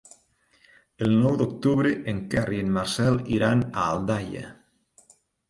El nou d'octubre en Quer i en Marcel iran a Aldaia.